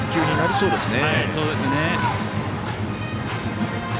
そうですね。